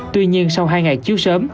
tuy nhiên sau hai ngày chiếu sớm